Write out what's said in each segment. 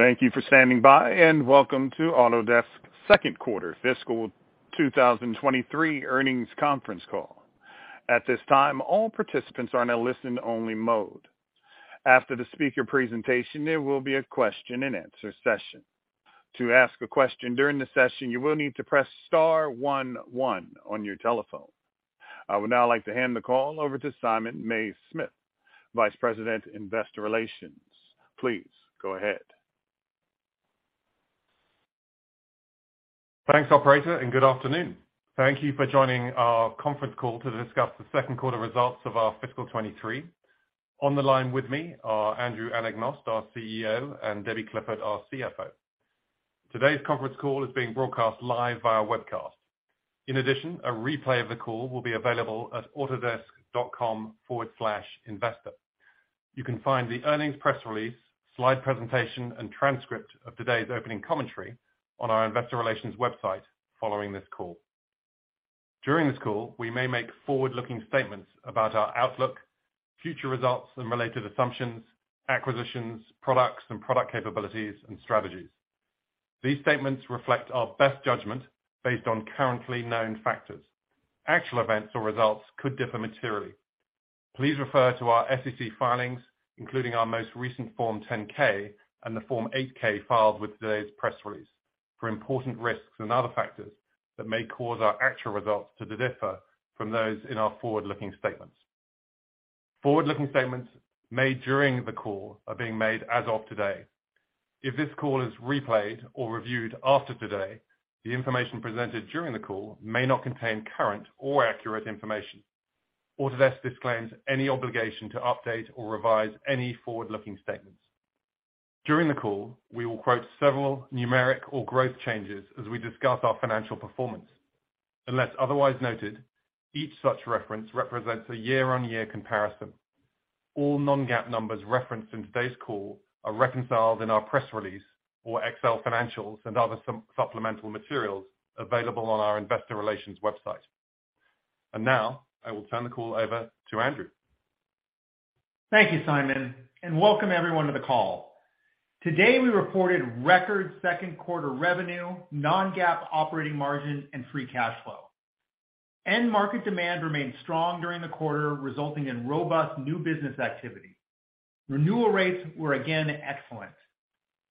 Thank you for standing by, and welcome to Autodesk's second quarter fiscal 2023 earnings conference call. At this time, all participants are in a listen-only mode. After the speaker presentation, there will be a question and answer session. To ask a question during the session, you will need to press star one one on your telephone. I would now like to hand the call over to Simon Mays-Smith, Vice President, Investor Relations. Please go ahead. Thanks, operator, and good afternoon. Thank you for joining our conference call to discuss the second quarter results of our fiscal 2023. On the line with me are Andrew Anagnost, our CEO, and Debbie Clifford, our CFO. Today's conference call is being broadcast live via webcast. In addition, a replay of the call will be available at autodesk.com/investor. You can find the earnings press release, slide presentation, and transcript of today's opening commentary on our investor relations website following this call. During this call, we may make forward-looking statements about our outlook, future results and related assumptions, acquisitions, products, and product capabilities and strategies. These statements reflect our best judgment based on currently known factors. Actual events or results could differ materially. Please refer to our SEC filings, including our most recent Form 10-K and the Form 8-K filed with today's press release for important risks and other factors that may cause our actual results to differ from those in our forward-looking statements. Forward-looking statements made during the call are being made as of today. If this call is replayed or reviewed after today, the information presented during the call may not contain current or accurate information. Autodesk disclaims any obligation to update or revise any forward-looking statements. During the call, we will quote several numeric or growth changes as we discuss our financial performance. Unless otherwise noted, each such reference represents a year-on-year comparison. All non-GAAP numbers referenced in today's call are reconciled in our press release or Excel financials and other supplemental materials available on our investor relations website. Now, I will turn the call over to Andrew. Thank you, Simon, and welcome everyone to the call. Today, we reported record second quarter revenue, non-GAAP operating margin, and free cash flow. End market demand remained strong during the quarter, resulting in robust new business activity. Renewal rates were again excellent.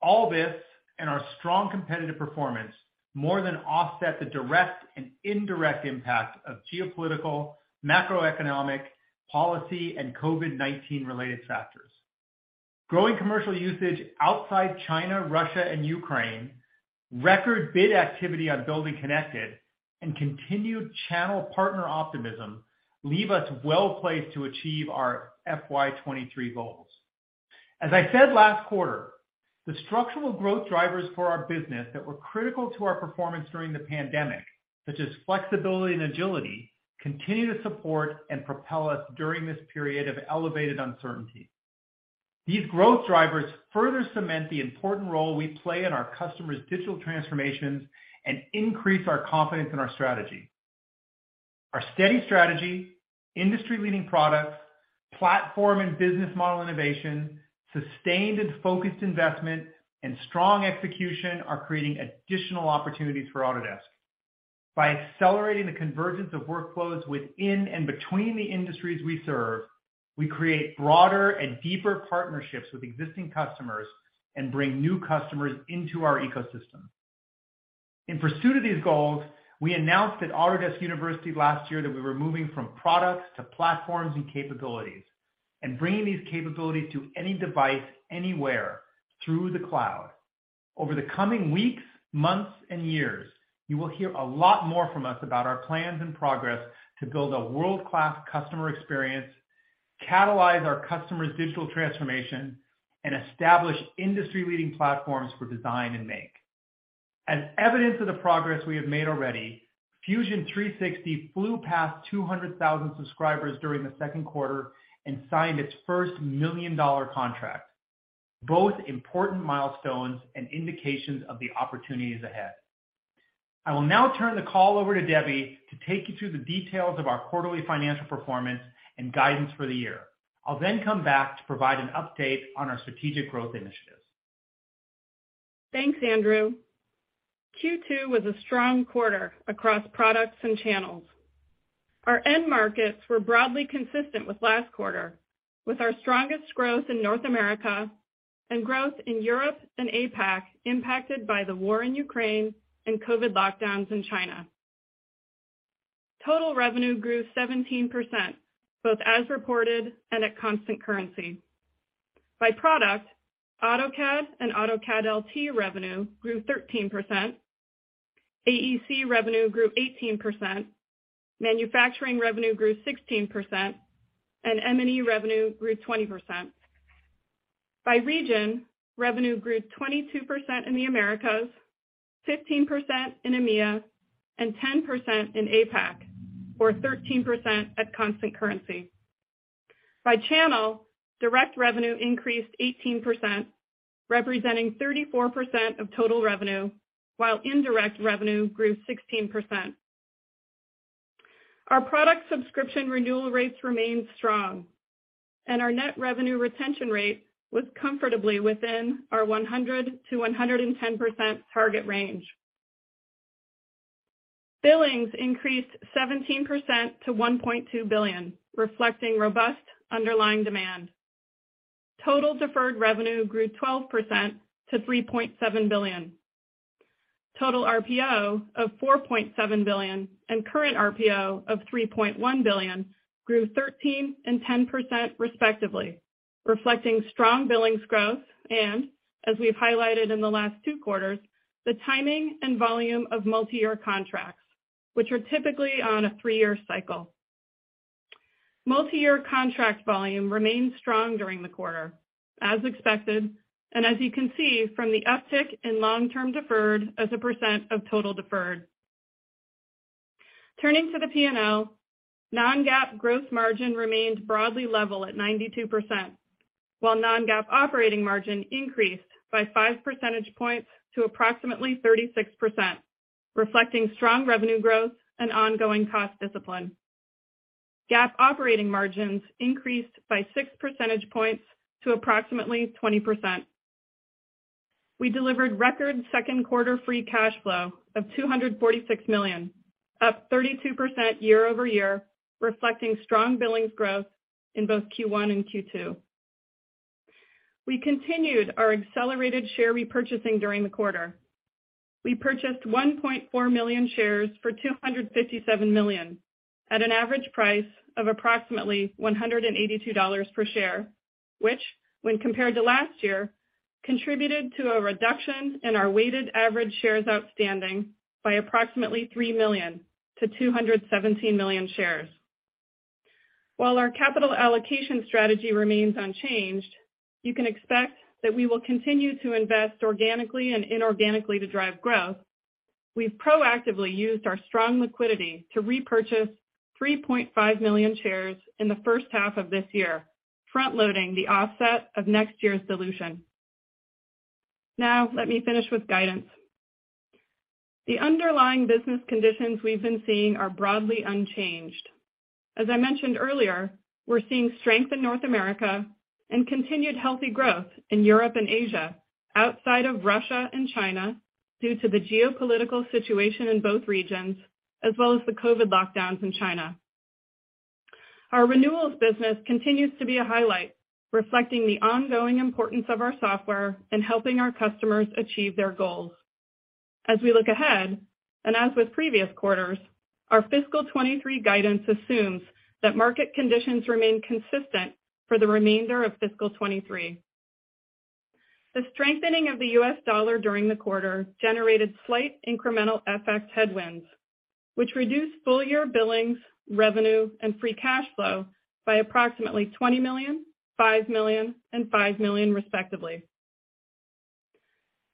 All this and our strong competitive performance more than offset the direct and indirect impact of geopolitical, macroeconomic, policy, and COVID-19 related factors. Growing commercial usage outside China, Russia, and Ukraine, record bid activity on BuildingConnected, and continued channel partner optimism leave us well-placed to achieve our FY 2023 goals. As I said last quarter, the structural growth drivers for our business that were critical to our performance during the pandemic, such as flexibility and agility, continue to support and propel us during this period of elevated uncertainty. These growth drivers further cement the important role we play in our customers' digital transformations and increase our confidence in our strategy. Our steady strategy, industry-leading products, platform and business model innovation, sustained and focused investment, and strong execution are creating additional opportunities for Autodesk. By accelerating the convergence of workflows within and between the industries we serve, we create broader and deeper partnerships with existing customers and bring new customers into our ecosystem. In pursuit of these goals, we announced at Autodesk University last year that we were moving from products to platforms and capabilities and bringing these capabilities to any device, anywhere through the cloud. Over the coming weeks, months, and years, you will hear a lot more from us about our plans and progress to build a world-class customer experience, catalyze our customers' digital transformation, and establish industry-leading platforms for design and make. As evidence of the progress we have made already, Fusion 360 flew past 200,000 subscribers during the second quarter and signed its first million-dollar contract, both important milestones and indications of the opportunities ahead. I will now turn the call over to Debbie to take you through the details of our quarterly financial performance and guidance for the year. I'll then come back to provide an update on our strategic growth initiatives. Thanks, Andrew. Q2 was a strong quarter across products and channels. Our end markets were broadly consistent with last quarter, with our strongest growth in North America and growth in Europe and APAC impacted by the war in Ukraine and COVID lockdowns in China. Total revenue grew 17%, both as reported and at constant currency. By product, AutoCAD and AutoCAD LT revenue grew 13%, AEC revenue grew 18%, manufacturing revenue grew 16%, and M&E revenue grew 20%. By region, revenue grew 22% in the Americas, 15% in EMEA, and 10% in APAC, or 13% at constant currency. By channel, direct revenue increased 18%, representing 34% of total revenue, while indirect revenue grew 16%. Our product subscription renewal rates remain strong, and our net revenue retention rate was comfortably within our 100%-110% target range. Billings increased 17% to $1.2 billion, reflecting robust underlying demand. Total deferred revenue grew 12% to $3.7 billion. Total RPO of $4.7 billion and current RPO of $3.1 billion grew 13% and 10% respectively, reflecting strong billings growth and, as we've highlighted in the last two quarters, the timing and volume of multi-year contracts, which are typically on a three-year cycle. Multi-year contract volume remained strong during the quarter, as expected, and as you can see from the uptick in long-term deferred as a percent of total deferred. Turning to the P&L, non-GAAP gross margin remained broadly level at 92%, while non-GAAP operating margin increased by 5% points to approximately 36%, reflecting strong revenue growth and ongoing cost discipline. GAAP operating margins increased by 6% points to approximately 20%. We delivered record second quarter free cash flow of $246 million, up 32% year-over-year, reflecting strong billings growth in both Q1 and Q2. We continued our accelerated share repurchasing during the quarter. We purchased 1.4 million shares for $257 million at an average price of approximately $182 per share, which, when compared to last year, contributed to a reduction in our weighted average shares outstanding by approximately 3 million to 217 million shares. While our capital allocation strategy remains unchanged, you can expect that we will continue to invest organically and inorganically to drive growth. We've proactively used our strong liquidity to repurchase 3.5 million shares in the first half of this year, front-loading the offset of next year's dilution. Now, let me finish with guidance. The underlying business conditions we've been seeing are broadly unchanged. As I mentioned earlier, we're seeing strength in North America and continued healthy growth in Europe and Asia, outside of Russia and China, due to the geopolitical situation in both regions, as well as the COVID lockdowns in China. Our renewals business continues to be a highlight, reflecting the ongoing importance of our software in helping our customers achieve their goals. As we look ahead, as with previous quarters, our fiscal 2023 guidance assumes that market conditions remain consistent for the remainder of fiscal 2023. The strengthening of the U.S. dollar during the quarter generated slight incremental FX headwinds, which reduced full-year billings, revenue, and free cash flow by approximately $20 million, $5 million, and $5 million, respectively.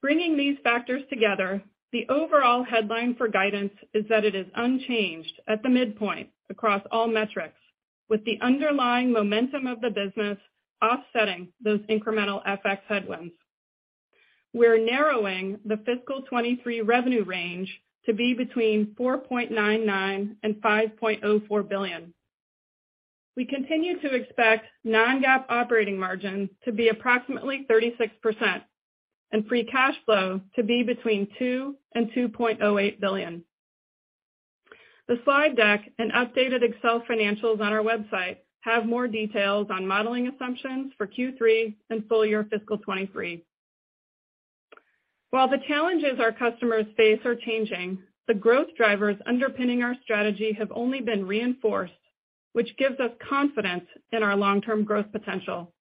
Bringing these factors together, the overall headline for guidance is that it is unchanged at the midpoint across all metrics, with the underlying momentum of the business offsetting those incremental FX headwinds. We're narrowing the fiscal 2023 revenue range to be between $4.99 billion and $5.04 billion. We continue to expect non-GAAP operating margin to be approximately 36% and free cash flow to be between $2 billion and $2.08 billion. The slide deck and updated Excel financials on our website have more details on modeling assumptions for Q3 and full year fiscal 2023. While the challenges our customers face are changing, the growth drivers underpinning our strategy have only been reinforced, which gives us confidence in our long-term growth potential.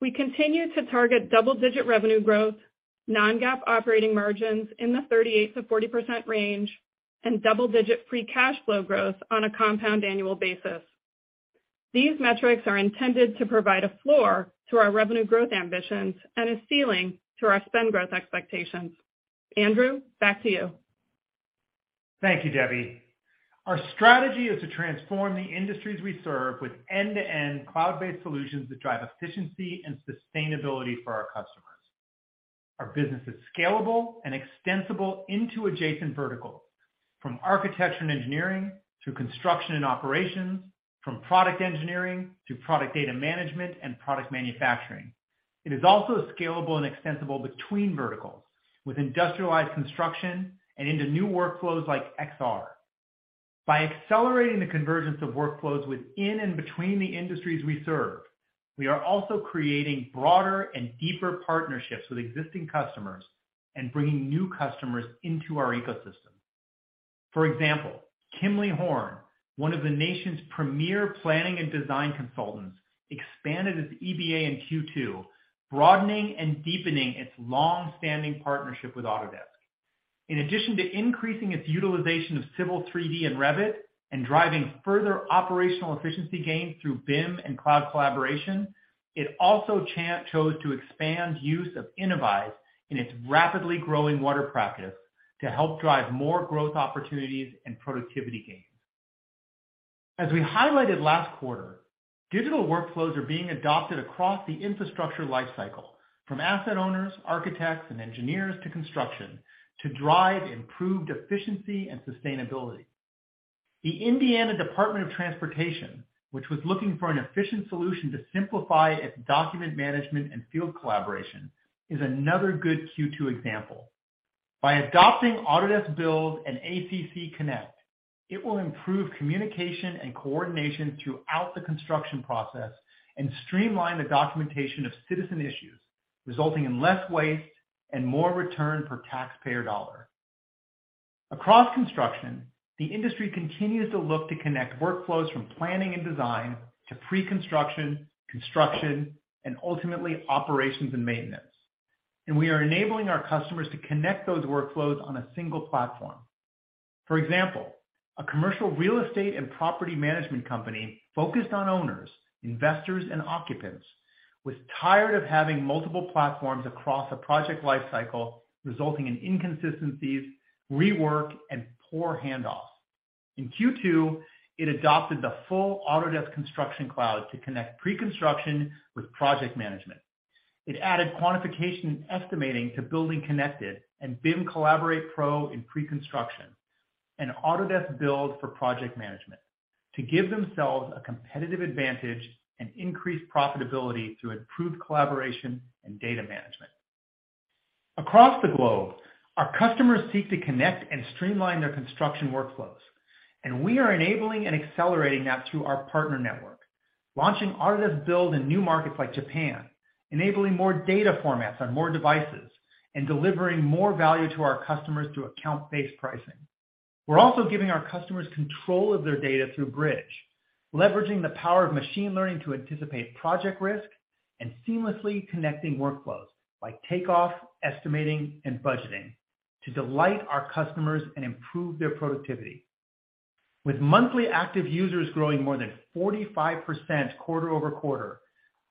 We continue to target double-digit revenue growth, non-GAAP operating margins in the 38%-40% range, and double-digit free cash flow growth on a compound annual basis. These metrics are intended to provide a floor to our revenue growth ambitions and a ceiling to our spend growth expectations. Andrew, back to you. Thank you, Debbie. Our strategy is to transform the industries we serve with end-to-end cloud-based solutions that drive efficiency and sustainability for our customers. Our business is scalable and extensible into adjacent verticals, from architecture and engineering to construction and operations, from product engineering to product data management and product manufacturing. It is also scalable and extensible between verticals with industrialized construction and into new workflows like XR. By accelerating the convergence of workflows within and between the industries we serve, we are also creating broader and deeper partnerships with existing customers and bringing new customers into our ecosystem. For example, Kimley-Horn, one of the nation's premier planning and design consultants, expanded its EBA in Q2, broadening and deepening its long-standing partnership with Autodesk. In addition to increasing its utilization of Civil 3D and Revit and driving further operational efficiency gains through BIM and cloud collaboration, it also chose to expand use of Innovyze in its rapidly growing water practice to help drive more growth opportunities and productivity gains. As we highlighted last quarter. Digital workflows are being adopted across the infrastructure life cycle from asset owners, architects, and engineers to construction to drive improved efficiency and sustainability. The Indiana Department of Transportation, which was looking for an efficient solution to simplify its document management and field collaboration, is another good Q2 example. By adopting Autodesk Build and ACC Connect, it will improve communication and coordination throughout the construction process and streamline the documentation of citizen issues, resulting in less waste and more return per taxpayer dollar. Across construction, the industry continues to look to connect workflows from planning and design to pre-construction, construction, and ultimately operations and maintenance, and we are enabling our customers to connect those workflows on a single platform. For example, a commercial real estate and property management company focused on owners, investors, and occupants was tired of having multiple platforms across a project life cycle, resulting in inconsistencies, rework, and poor handoffs. In Q2, it adopted the full Autodesk Construction Cloud to connect pre-construction with project management. It added quantification estimating to BuildingConnected and BIM Collaborate Pro in pre-construction and Autodesk Build for project management to give themselves a competitive advantage and increase profitability through improved collaboration and data management. Across the globe, our customers seek to connect and streamline their construction workflows, and we are enabling and accelerating that through our partner network, launching Autodesk Build in new markets like Japan, enabling more data formats on more devices and delivering more value to our customers through account-based pricing. We're also giving our customers control of their data through Bridge, leveraging the power of machine learning to anticipate project risk and seamlessly connecting workflows like takeoff, estimating, and budgeting to delight our customers and improve their productivity. With monthly active users growing more than 45% quarter-over-quarter,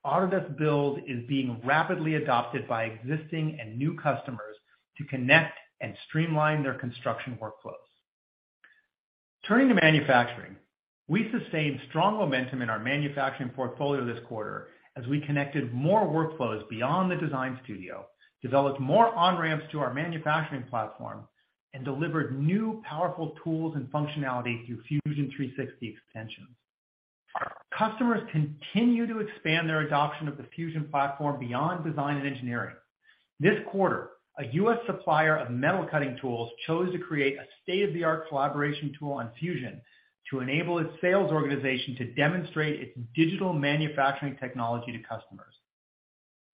Autodesk Build is being rapidly adopted by existing and new customers to connect and streamline their construction workflows. Turning to manufacturing. We sustained strong momentum in our manufacturing portfolio this quarter as we connected more workflows beyond the design studio, developed more on-ramps to our manufacturing platform, and delivered new powerful tools and functionality through Fusion 360 extensions. Customers continue to expand their adoption of the Fusion platform beyond design and engineering. This quarter, a U.S. supplier of metal cutting tools chose to create a state-of-the-art collaboration tool on Fusion to enable its sales organization to demonstrate its digital manufacturing technology to customers.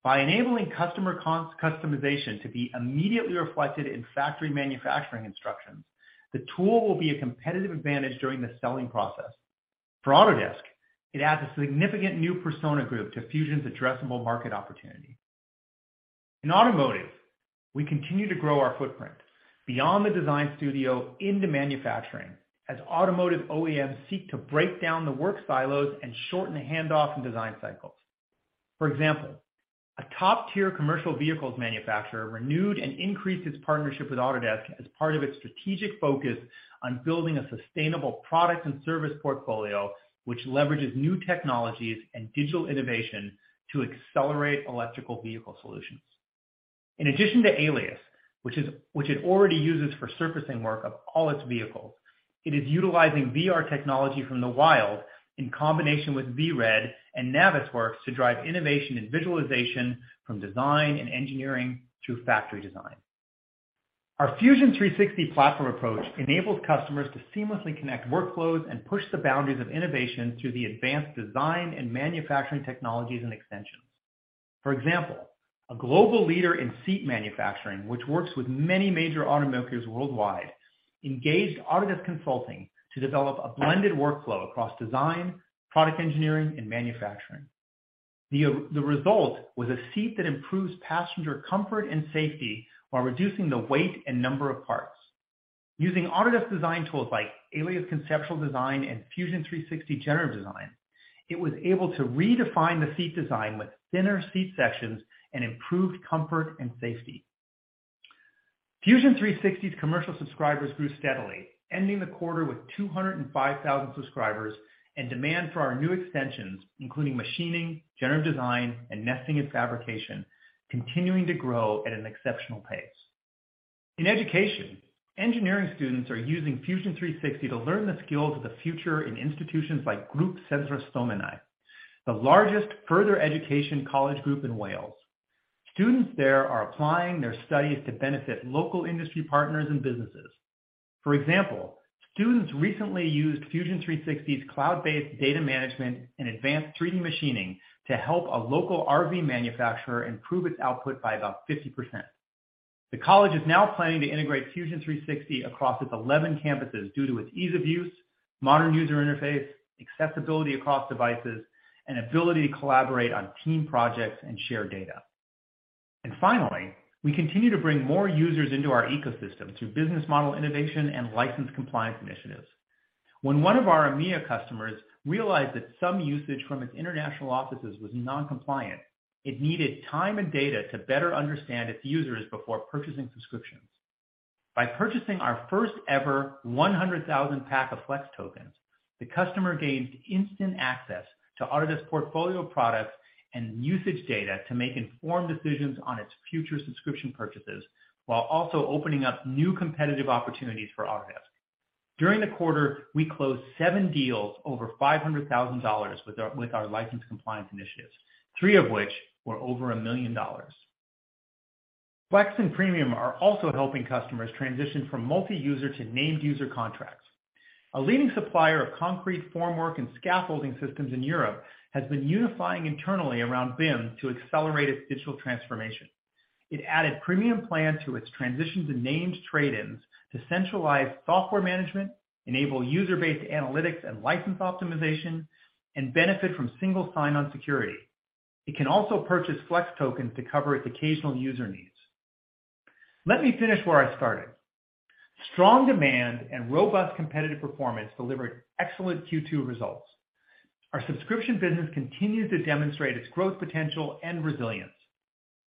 By enabling customer customization to be immediately reflected in factory manufacturing instructions, the tool will be a competitive advantage during the selling process. For Autodesk, it adds a significant new persona group to Fusion's addressable market opportunity. In automotive, we continue to grow our footprint beyond the design studio into manufacturing as automotive OEMs seek to break down the work silos and shorten the handoff and design cycles. For example, a top-tier commercial vehicles manufacturer renewed and increased its partnership with Autodesk as part of its strategic focus on building a sustainable product and service portfolio, which leverages new technologies and digital innovation to accelerate electrical vehicle solutions. In addition to Alias, which it already uses for surfacing work of all its vehicles, it is utilizing VR technology from The Wild in combination with VRED and Navisworks to drive innovation and visualization from design and engineering to factory design. Our Fusion 360 platform approach enables customers to seamlessly connect workflows and push the boundaries of innovation through the advanced design and manufacturing technologies and extensions. For example, a global leader in seat manufacturing, which works with many major automakers worldwide, engaged Autodesk Consulting to develop a blended workflow across design, product engineering, and manufacturing. The result was a seat that improves passenger comfort and safety while reducing the weight and number of parts. Using Autodesk design tools like Alias Concept and Fusion 360 Generative Design, it was able to redefine the seat design with thinner seat sections and improved comfort and safety. Fusion 360's commercial subscribers grew steadily, ending the quarter with 205,000 subscribers and demand for our new extensions, including machining, generative design, and nesting and fabrication, continuing to grow at an exceptional pace. In education, engineering students are using Fusion 360 to learn the skills of the future in institutions like Grŵp Llandrillo Menai, the largest further education college group in Wales. Students there are applying their studies to benefit local industry partners and businesses. For example, students recently used Fusion 360's cloud-based data management and advanced 3D machining to help a local RV manufacturer improve its output by about 50%. The college is now planning to integrate Fusion 360 across its 11 campuses due to its ease of use, modern user interface, accessibility across devices, and ability to collaborate on team projects and share data. Finally, we continue to bring more users into our ecosystem through business model innovation and license compliance initiatives. When one of our EMEA customers realized that some usage from its international offices was non-compliant, it needed time and data to better understand its users before purchasing subscriptions. By purchasing our first-ever 100,000 pack of Flex tokens, the customer gained instant access to Autodesk portfolio products and usage data to make informed decisions on its future subscription purchases, while also opening up new competitive opportunities for Autodesk. During the quarter, we closed seven deals over $500,000 with our license compliance initiatives, three of which were over $1 million. Flex and Premium are also helping customers transition from multi-user to named user contracts. A leading supplier of concrete formwork and scaffolding systems in Europe has been unifying internally around BIM to accelerate its digital transformation. It added the Premium plan to its transition to named-user licensing to centralize software management, enable user-based analytics and license optimization, and benefit from single sign-on security. It can also purchase Flex tokens to cover its occasional user needs. Let me finish where I started. Strong demand and robust competitive performance delivered excellent Q2 results. Our subscription business continues to demonstrate its growth potential and resilience.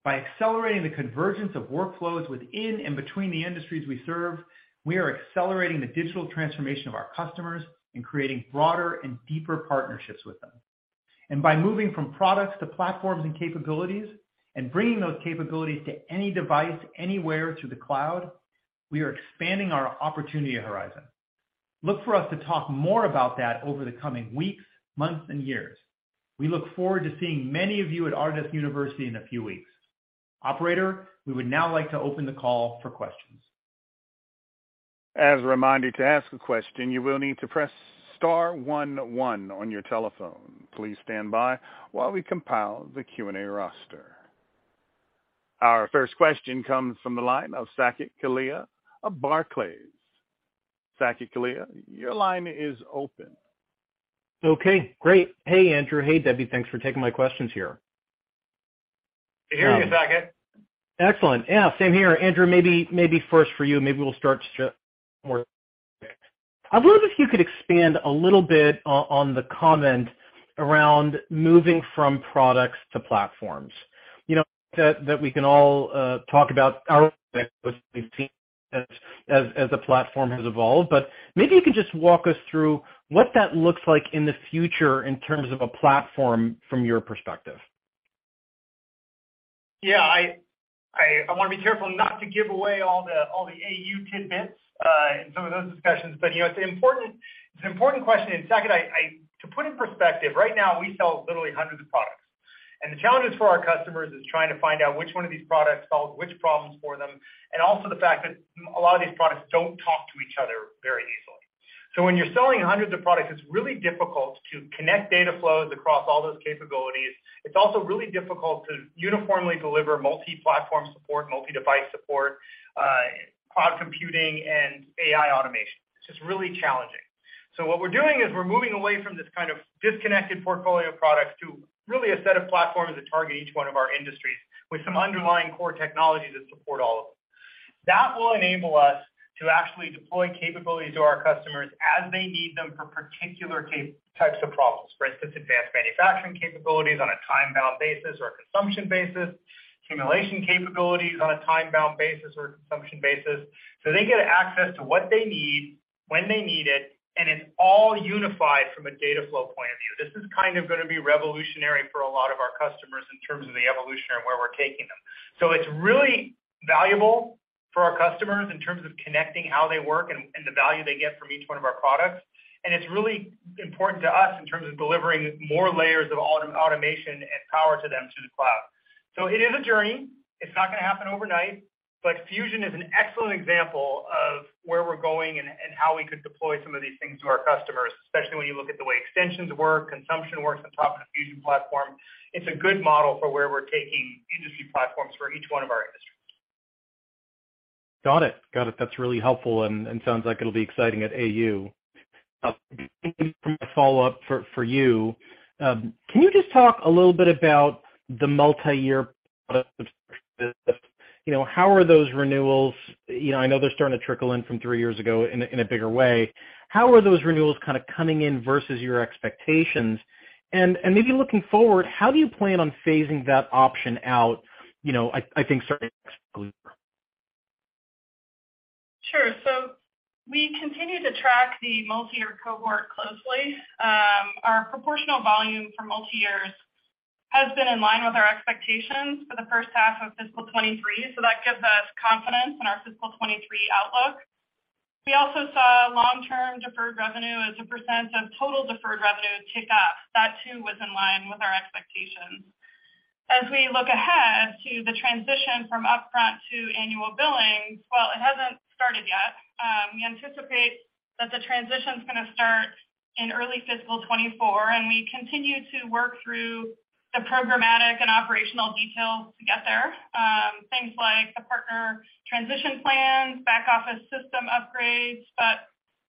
By accelerating the convergence of workflows within and between the industries we serve, we are accelerating the digital transformation of our customers and creating broader and deeper partnerships with them. By moving from products to platforms and capabilities and bringing those capabilities to any device, anywhere to the cloud, we are expanding our opportunity horizon. Look for us to talk more about that over the coming weeks, months, and years. We look forward to seeing many of you at Autodesk University in a few weeks. Operator, we would now like to open the call for questions. As a reminder, to ask a question, you will need to press star one one on your telephone. Please stand by while we compile the Q&A roster. Our first question comes from the line of Saket Kalia of Barclays. Saket Kalia, your line is open. Okay, great. Hey, Andrew. Hey, Debbie. Thanks for taking my questions here. Can hear you, Saket. Excellent. Yeah, same here. Andrew, maybe first for you. Maybe we'll start more. I wonder if you could expand a little bit on the comment around moving from products to platforms. You know, that we can all talk about how, as the platform has evolved, but maybe you can just walk us through what that looks like in the future in terms of a platform from your perspective. Yeah, I wanna be careful not to give away all the AU tidbits and some of those discussions. You know, it's an important question. Second, I to put in perspective, right now, we sell literally hundreds of products. The challenges for our customers is trying to find out which one of these products solves which problems for them, and also the fact that a lot of these products don't talk to each other very easily. When you're selling hundreds of products, it's really difficult to connect data flows across all those capabilities. It's also really difficult to uniformly deliver multi-platform support, multi-device support, cloud computing, and AI automation. It's just really challenging. what we're doing is we're moving away from this kind of disconnected portfolio of products to really a set of platforms that target each one of our industries with some underlying core technologies that support all of them. That will enable us to actually deploy capabilities to our customers as they need them for particular types of problems. For instance, advanced manufacturing capabilities on a time-bound basis or a consumption basis, simulation capabilities on a time-bound basis or a consumption basis. they get access to what they need, when they need it, and it's all unified from a data flow point of view. This is kind of gonna be revolutionary for a lot of our customers in terms of the evolution and where we're taking them. It's really valuable for our customers in terms of connecting how they work and the value they get from each one of our products. It's really important to us in terms of delivering more layers of automation and power to them through the cloud. It is a journey. It's not gonna happen overnight. Fusion is an excellent example of where we're going and how we could deploy some of these things to our customers, especially when you look at the way extensions work, consumption works on top of the Fusion platform. It's a good model for where we're taking industry platforms for each one of our industries. Got it. That's really helpful and sounds like it'll be exciting at AU. Now, a follow-up for you. Can you just talk a little bit about the multi-year product subscription? You know, how are those renewals. You know, I know they're starting to trickle in from three years ago in a bigger way. How are those renewals kinda coming in versus your expectations? Maybe looking forward, how do you plan on phasing that option out, you know, I think starting next? Sure. We continue to track the multi-year cohort closely. Our proportional volume for multi-years has been in line with our expectations for the first half of fiscal 2023, so that gives us confidence in our fiscal 2023 outlook. We also saw long-term deferred revenue as a percent of total deferred revenue tick up. That, too, was in line with our expectations. As we look ahead to the transition from upfront to annual billing, well, it hasn't started yet. We anticipate that the transition's gonna start in early fiscal 2024, and we continue to work through the programmatic and operational details to get there. Things like the partner transition plans, back office system upgrades.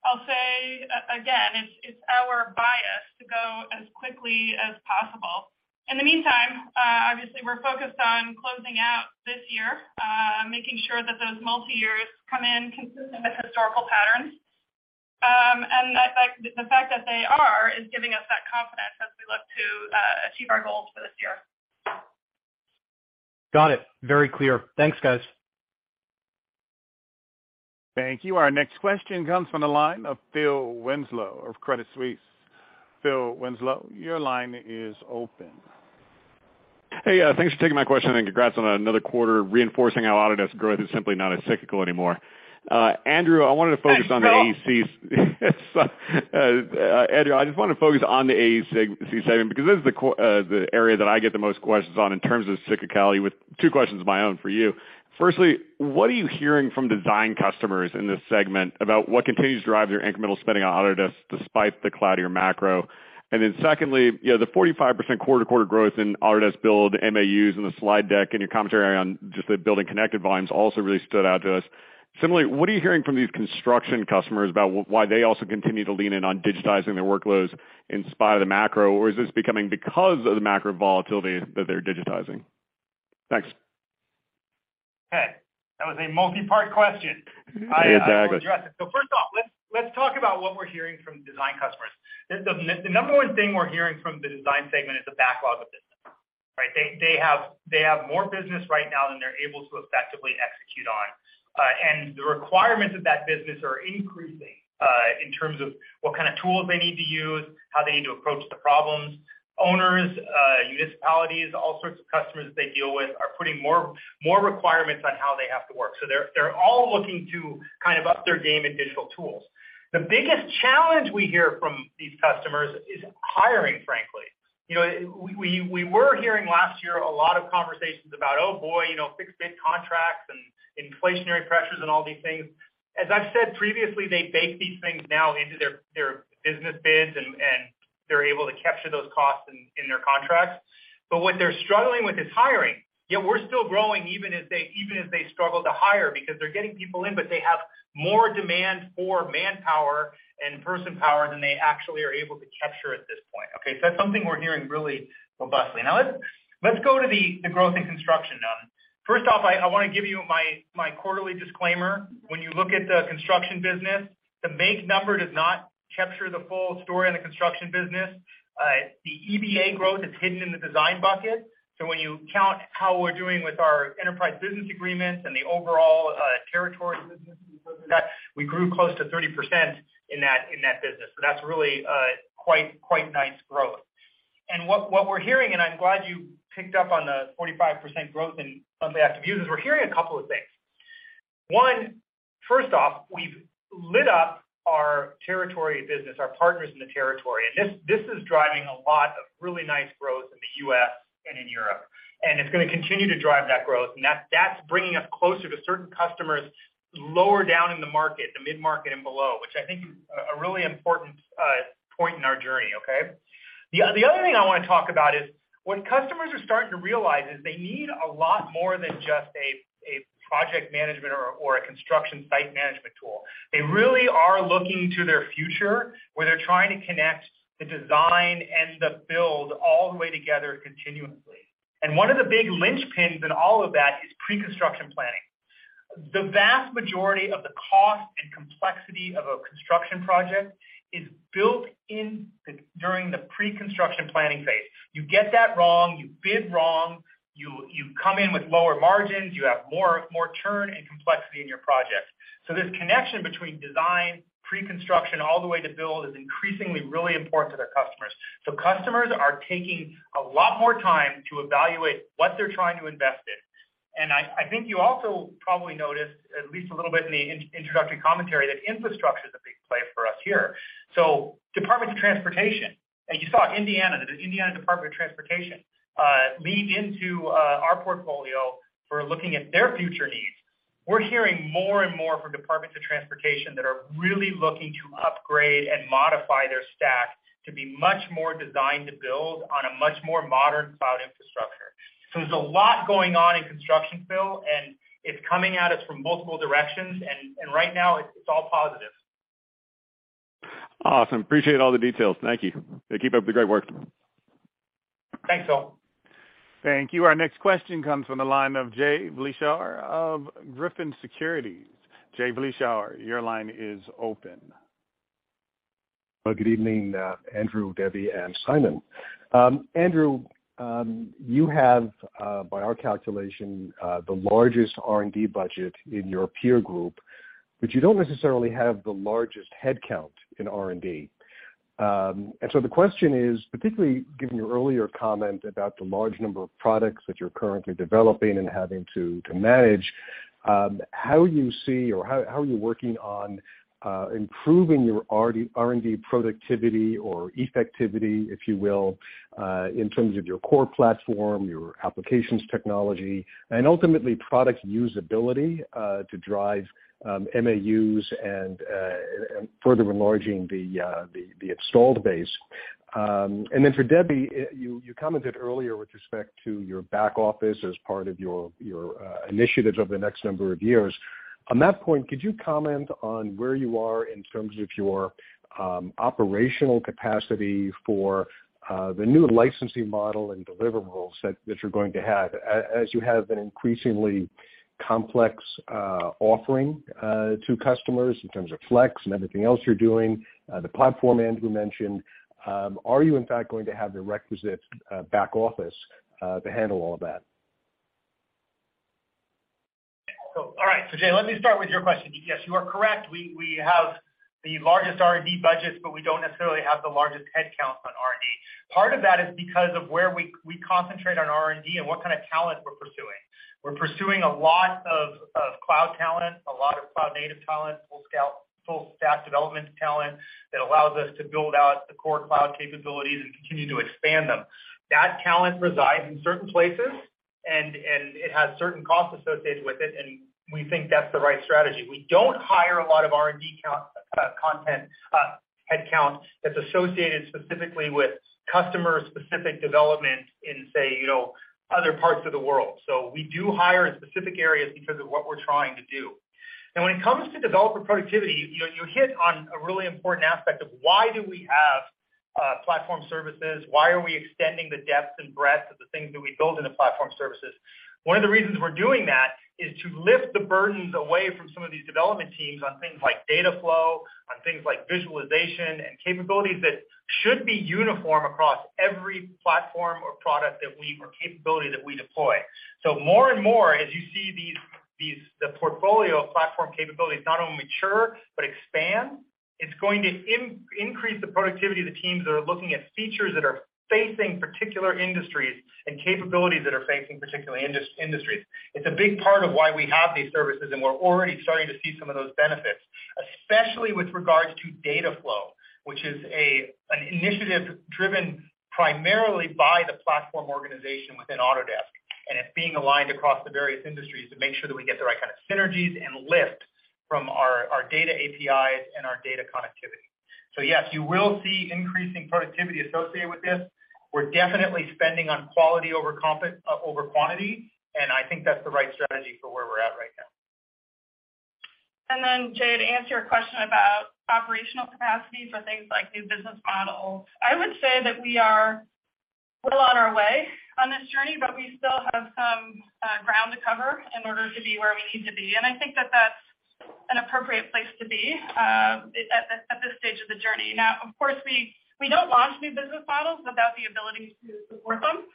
I'll say again, it's our bias to go as quickly as possible. In the meantime, obviously, we're focused on closing out this year, making sure that those multi-years come in consistent with historical patterns. The fact that they are is giving us that confidence as we look to achieve our goals for this year. Got it. Very clear. Thanks, guys. Thank you. Our next question comes from the line of Phil Winslow of Credit Suisse. Phil Winslow, your line is open. Hey. Thanks for taking my question, and congrats on another quarter reinforcing how Autodesk growth is simply not as cyclical anymore. Andrew, I wanted to focus on the AEC- Thanks, Phil. Andrew, I just want to focus on the AEC segment because this is the core, the area that I get the most questions on in terms of cyclicality, with two questions of my own for you. Firstly, what are you hearing from design customers in this segment about what continues to drive your incremental spending on Autodesk despite the cloudier macro? And then secondly, you know, the 45% quarter-to-quarter growth in Autodesk Build MAUs in the slide deck in your commentary on just the BuildingConnected volumes also really stood out to us. Similarly, what are you hearing from these construction customers about why they also continue to lean in on digitizing their workloads in spite of the macro? Or is this becoming because of the macro volatility that they're digitizing? Thanks. Okay. That was a multi-part question. Exactly. I will address it. First off, let's talk about what we're hearing from design customers. The number one thing we're hearing from the design segment is the backlog of business, right? They have more business right now than they're able to effectively execute on. The requirements of that business are increasing in terms of what kind of tools they need to use, how they need to approach the problems. Owners, municipalities, all sorts of customers they deal with are putting more requirements on how they have to work. They're all looking to kind of up their game in digital tools. The biggest challenge we hear from these customers is hiring, frankly. You know, we were hearing last year a lot of conversations about, oh, boy, you know, fixed bid contracts and inflationary pressures and all these things. As I've said previously, they bake these things now into their business bids, and they're able to capture those costs in their contracts. But what they're struggling with is hiring, yet we're still growing, even as they struggle to hire because they're getting people in, but they have more demand for manpower and person power than they actually are able to capture at this point. Okay? That's something we're hearing really robustly. Now, let's go to the growth in construction now. First off, I wanna give you my quarterly disclaimer. When you look at the construction business, the revenue number does not capture the full story on the construction business. The EBA growth is hidden in the design bucket. When you count how we're doing with our enterprise business agreements and the overall territory business and things like that, we grew close to 30% in that business. That's really quite nice growth. What we're hearing, and I'm glad you picked up on the 45% growth in monthly active users, we're hearing a couple of things. One, first off, we've lit up our territory business, our partners in the territory, and this is driving a lot of really nice growth in the U.S. and in Europe. It's gonna continue to drive that growth. That's bringing us closer to certain customers lower down in the market, the mid-market and below, which I think is a really important point in our journey. Okay? The other thing I wanna talk about is what customers are starting to realize is they need a lot more than just a project management or a construction site management tool. They really are looking to their future, where they're trying to connect the design and the build all the way together continuously. One of the big linchpins in all of that is preconstruction planning. The vast majority of the cost and complexity of a construction project is built during the preconstruction planning phase. You get that wrong, you bid wrong, you come in with lower margins, you have more churn and complexity in your projects. This connection between design, preconstruction, all the way to build is increasingly really important to their customers. Customers are taking a lot more time to evaluate what they're trying to invest in. And I think you also probably noticed at least a little bit in the introductory commentary that infrastructure is a big play for us here. Department of Transportation, and you saw Indiana, the Indiana Department of Transportation, lean into our portfolio for looking at their future needs. We're hearing more and more from Departments of Transportation that are really looking to upgrade and modify their stack to be much more designed to build on a much more modern cloud infrastructure. There's a lot going on in construction, Phil, and it's coming at us from multiple directions. Right now it's all positive. Awesome. Appreciate all the details. Thank you. Keep up the great work. Thanks, Phil. Thank you. Our next question comes from the line of Jay Vleeschhouwer of Griffin Securities. Jay Vleeschouwer, your line is open. Well, good evening, Andrew, Debbie, and Simon. Andrew, you have, by our calculation, the largest R&D budget in your peer group, but you don't necessarily have the largest headcount in R&D. The question is, particularly given your earlier comment about the large number of products that you're currently developing and having to manage, how you see or how are you working on improving your R&D productivity or effectivity, if you will, in terms of your core platform, your applications technology, and ultimately product usability, to drive MAUs and further enlarging the installed base. And for Debbie, you commented earlier with respect to your back office as part of your initiatives over the next number of years. On that point, could you comment on where you are in terms of your operational capacity for the new licensing model and deliverables that you're going to have? As you have an increasingly complex offering to customers in terms of Flex and everything else you're doing, the platform Andrew mentioned, are you in fact going to have the requisite back office to handle all of that? Jay, let me start with your question. Yes, you are correct. We have the largest R&D budgets, but we don't necessarily have the largest headcounts on R&D. Part of that is because of where we concentrate on R&D and what kind of talent we're pursuing. We're pursuing a lot of cloud talent, a lot of cloud-native talent, full stack development talent that allows us to build out the core cloud capabilities and continue to expand them. That talent resides in certain places and it has certain costs associated with it, and we think that's the right strategy. We don't hire a lot of R&D headcount that's associated specifically with customer-specific development in say, you know, other parts of the world. We do hire in specific areas because of what we're trying to do. Now, when it comes to developer productivity, you hit on a really important aspect of why do we have platform services, why are we extending the depth and breadth of the things that we build in the platform services. One of the reasons we're doing that is to lift the burdens away from some of these development teams on things like data flow, on things like visualization and capabilities that should be uniform across every platform or product or capability that we deploy. More and more, as you see these the portfolio of platform capabilities not only mature, but expand, it's going to increase the productivity of the teams that are looking at features that are facing particular industries and capabilities that are facing particular industries. It's a big part of why we have these services, and we're already starting to see some of those benefits, especially with regards to data flow, which is an initiative driven primarily by the platform organization within Autodesk. It's being aligned across the various industries to make sure that we get the right kind of synergies and lift from our data APIs and our data connectivity. Yes, you will see increasing productivity associated with this. We're definitely spending on quality over quantity, and I think that's the right strategy for where we're at right now. And then Jay to answer your question about operational capacities for things like new business models. I would say that we are well on our way on this journey, but we still have some ground to cover in order to be where we need to be. I think that that's an appropriate place to be at this stage of the journey. Now, of course, we don't launch new business models without the ability to support them,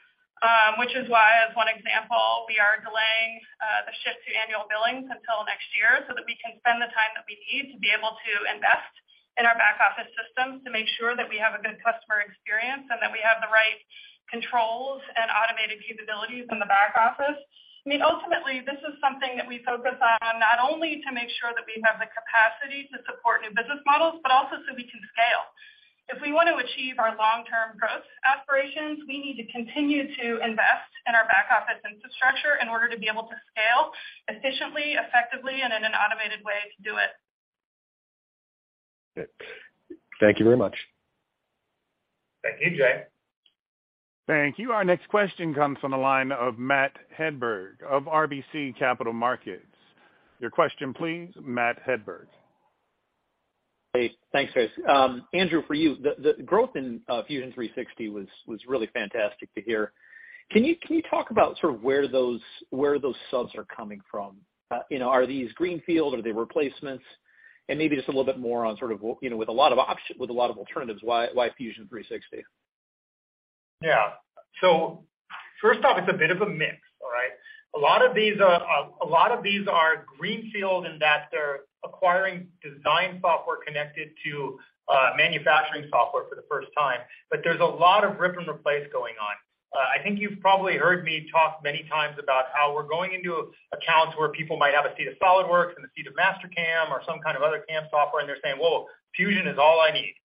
which is why, as one example, we are delaying the shift to annual billings until next year so that we can spend the time that we need to be able to invest in our back office systems to make sure that we have a good customer experience and that we have the right controls and automated capabilities in the back office. I mean, ultimately, this is something that we focus on not only to make sure that we have the capacity to support new business models, but also so we can scale. If we want to achieve our long-term growth aspirations, we need to continue to invest in our back office infrastructure in order to be able to scale efficiently, effectively, and in an automated way to do it. Thank you very much. Thank you, Jay. Thank you. Our next question comes from the line of Matt Hedberg of RBC Capital Markets. Your question, please, Matt Hedberg. Hey, thanks, guys. Andrew, for you. The growth in Fusion 360 was really fantastic to hear. Can you talk about sort of where those subs are coming from? You know, are these greenfield? Are they replacements? Maybe just a little bit more on sort of, you know, with a lot of alternatives, why Fusion 360? Yeah. First off, it's a bit of a mix. All right? A lot of these are greenfield in that they're acquiring design software connected to manufacturing software for the first time. There's a lot of rip and replace going on. I think you've probably heard me talk many times about how we're going into accounts where people might have a seat of SolidWorks and a seat of Mastercam or some kind of other CAM software, and they're saying, "Well, Fusion is all I need."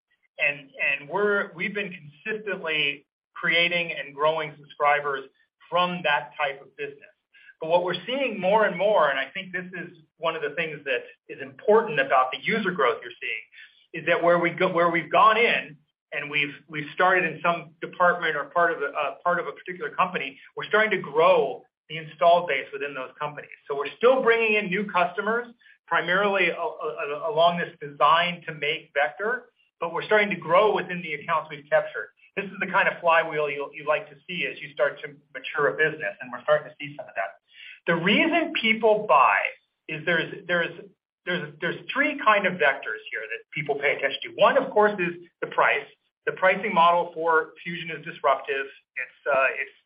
We've been consistently creating and growing subscribers from that type of business. What we're seeing more and more, and I think this is one of the things that is important about the user growth you're seeing, is that where we've gone in and we've started in some department or part of a particular company, we're starting to grow the install base within those companies. We're still bringing in new customers, primarily along this design to make vector, but we're starting to grow within the accounts we've captured. This is the kind of flywheel you like to see as you start to mature a business, and we're starting to see some of that. The reason people buy is there's three kind of vectors here that people pay attention to. One, of course, is the price. The pricing model for Fusion is disruptive.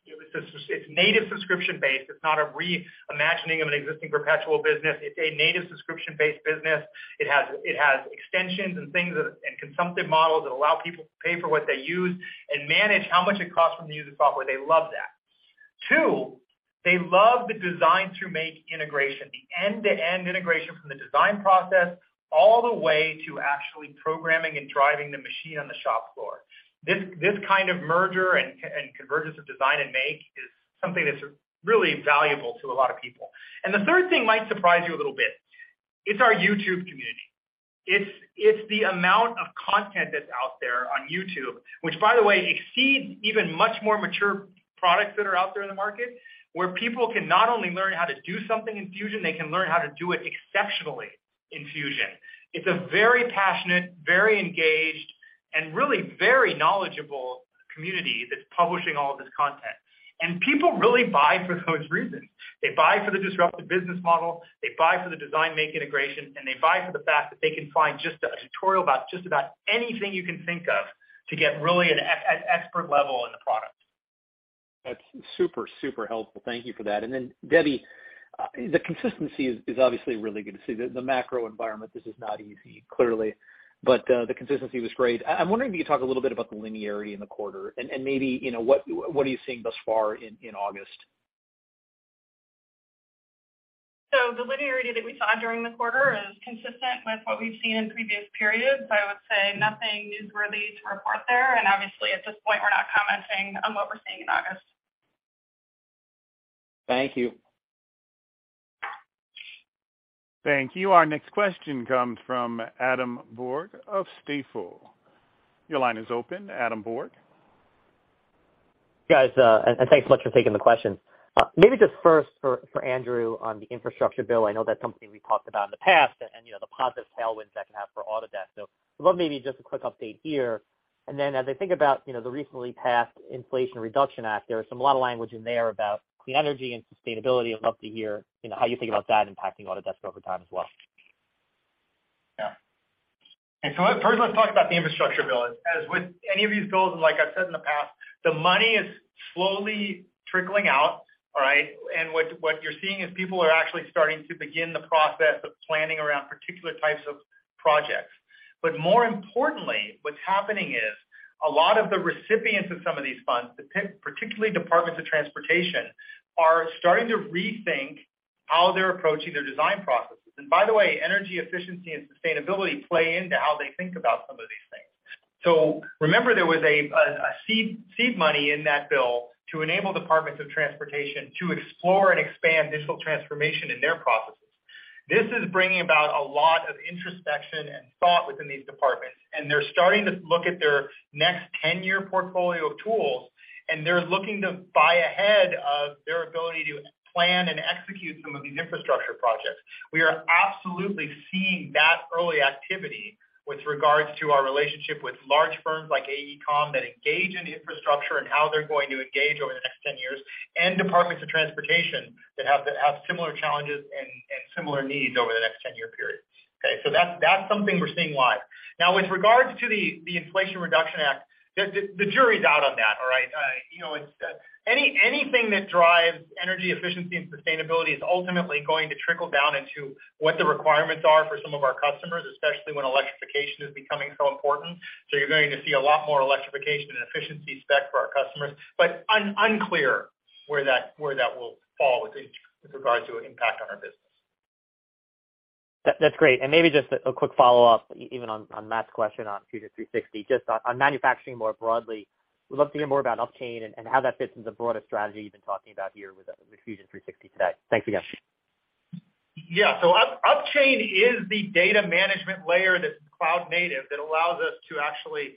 It's a native subscription-based. It's not a re-imagining of an existing perpetual business. It's a native subscription-based business. It has extensions and things and consumptive models that allow people to pay for what they use and manage how much it costs when they use the software. They love that. Two, they love the design to make integration, the end-to-end integration from the design process all the way to actually programming and driving the machine on the shop floor. This kind of merger and convergence of design and make is something that's really valuable to a lot of people. The third thing might surprise you a little bit. It's our YouTube community. It's the amount of content that's out there on YouTube, which by the way exceeds even much more mature products that are out there in the market, where people can not only learn how to do something in Fusion, they can learn how to do it exceptionally in Fusion. It's a very passionate, very engaged, and really very knowledgeable community that's publishing all of this content. People really buy for those reasons. They buy for the disruptive business model, they buy for the design make integration, and they buy for the fact that they can find just a tutorial about just about anything you can think of to get really an expert level in the product. That's super helpful. Thank you for that. Then, Debbie, the consistency is obviously really good to see. The macro environment, this is not easy, clearly, but the consistency was great. I'm wondering if you can talk a little bit about the linearity in the quarter and maybe, you know, what are you seeing thus far in August? The linearity that we saw during the quarter is consistent with what we've seen in previous periods. I would say nothing newsworthy to report there. Obviously, at this point, we're not commenting on what we're seeing in August. Thank you. Thank you. Our next question comes from Adam Borg of Stifel. Your line is open, Adam Borg. Guys, and thanks so much for taking the question. Maybe just first for Andrew on the infrastructure bill. I know that's something we talked about in the past and, you know, the positive tailwinds that can have for Autodesk. I'd love maybe just a quick update here. Then as I think about, you know, the recently passed Inflation Reduction Act, there are a lot of language in there about clean energy and sustainability. I'd love to hear, you know, how you think about that impacting Autodesk over time as well. Yeah. First, let's talk about the infrastructure bill. As with any of these bills, and like I've said in the past, the money is slowly trickling out, all right? What you're seeing is people are actually starting to begin the process of planning around particular types of projects. More importantly, what's happening is a lot of the recipients of some of these funds, particularly departments of transportation, are starting to rethink how they're approaching their design processes. By the way, energy efficiency and sustainability play into how they think about some of these things. Remember, there was a seed money in that bill to enable departments of transportation to explore and expand digital transformation in their processes. This is bringing about a lot of introspection and thought within these departments, and they're starting to look at their next 10-year portfolio of tools, and they're looking to buy ahead of their ability to plan and execute some of these infrastructure projects. We are absolutely seeing that early activity with regards to our relationship with large firms like AECOM that engage in infrastructure and how they're going to engage over the next 10 years, and departments of transportation that have similar challenges and similar needs over the next 10-year period. That's something we're seeing live. Now, with regards to the Inflation Reduction Act, the jury's out on that, all right? You know, it's anything that drives energy efficiency and sustainability is ultimately going to trickle down into what the requirements are for some of our customers, especially when electrification is becoming so important. You're going to see a lot more electrification and efficiency spec for our customers, but unclear where that will fall with each, with regards to impact on our business. That's great. Maybe just a quick follow-up, even on Matt's question on Fusion 360, just on manufacturing more broadly. Would love to hear more about Upchain and how that fits into the broader strategy you've been talking about here with Fusion 360 today. Thanks again. Yeah. Upchain is the data management layer that's cloud native that allows us to actually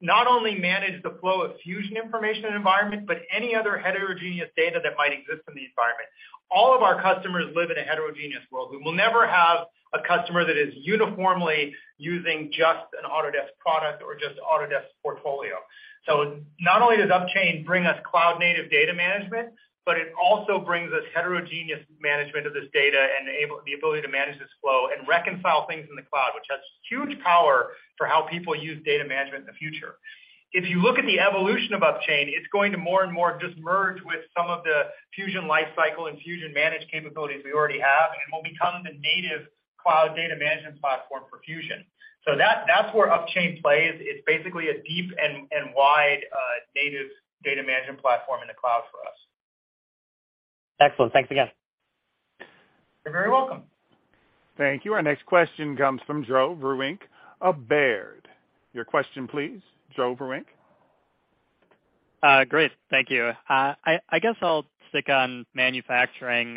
not only manage the flow of Fusion information environment, but any other heterogeneous data that might exist in the environment. All of our customers live in a heterogeneous world. We will never have a customer that is uniformly using just an Autodesk product or just Autodesk portfolio. Upchain brings us cloud-native data management, but it also brings us heterogeneous management of this data and the ability to manage this flow and reconcile things in the cloud, which has huge power for how people use data management in the future. If you look at the evolution of Upchain, it's going to more and more just merge with some of the Fusion Lifecycle and Fusion Manage capabilities we already have and will become the native cloud data management platform for Fusion. That's where Upchain plays. It's basically a deep and wide native data management platform in the cloud for us. Excellent. Thanks again. You're very welcome. Thank you. Our next question comes from Joe Vruwink of Baird. Your question please, Joe Vruwink. Great. Thank you. I guess I'll stick on manufacturing,